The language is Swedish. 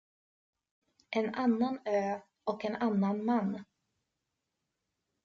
En annan ö och en annan man.